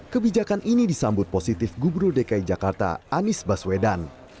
kebijakan ini disambut positif gubernur dki jakarta anies baswedan